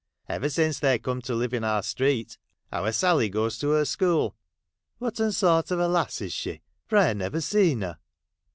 ' Ever since they corned to live in our street. Our Sally goes to her school.' 'Whatten sort of a lass is she, for I ha' .never seen her